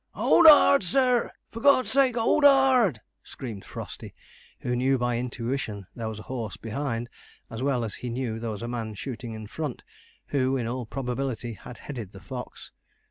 'HOLD HARD, sir! For God's sake, hold hard!' screamed Frosty, who knew by intuition there was a horse behind, as well as he knew there was a man shooting in front, who, in all probability, had headed the fox.